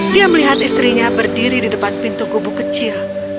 dia melihat istrinya berdiri di depan pintu kubu kecil